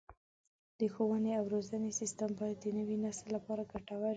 د ښوونې او روزنې سیستم باید د نوي نسل لپاره ګټور وي.